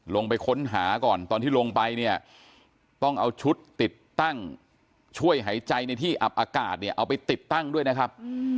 ลงไปค้นหาก่อนตอนที่ลงไปเนี่ยต้องเอาชุดติดตั้งช่วยหายใจในที่อับอากาศเนี่ยเอาไปติดตั้งด้วยนะครับ